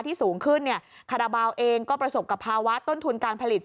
สูงขึ้นเนี่ยคาราบาลเองก็ประสบกับภาวะต้นทุนการผลิต